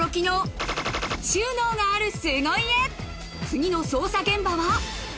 次の捜査現場は？